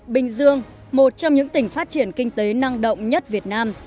bình dương một trong những tỉnh phát triển kinh tế năng động nhất việt nam